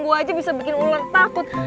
gue aja bisa bikin ular takut